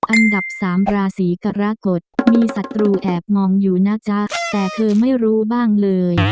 อันดับสามราศีกรกฎมีศัตรูแอบมองอยู่นะจ๊ะแต่เธอไม่รู้บ้างเลย